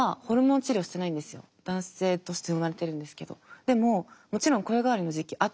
でももちろん声変わりの時期あったんですよ。